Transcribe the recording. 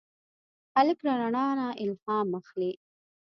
هلک له رڼا نه الهام اخلي.